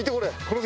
これ。